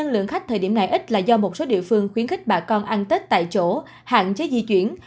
lượng khách thời điểm này ít là do một số địa phương khuyến khích bà con ăn tết tại chỗ hạn chế di chuyển